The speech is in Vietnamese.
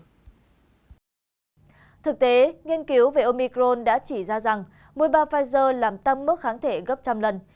thực tế nghiên cứu về omicron đã chỉ ra rằng mobile pfizer làm tăng mức kháng thể gấp trăm lần